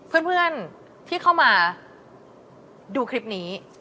เพื่อนที่เข้ามาดูคลิปนี้